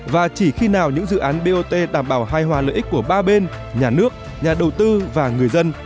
và chỉ khi nào những dự án bot đảm bảo hai hòa lợi ích của ba bên nhà nước nhà đầu tư và người dân